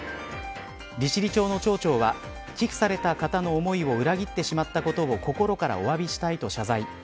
利尻町の町長は寄付された方の思いを裏切ってしまったことを心からおわびしたいと謝罪。